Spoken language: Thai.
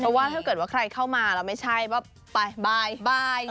เพราะว่าถ้าเกิดว่าใครเข้ามาแล้วไม่ใช่ว่าไปบ่าย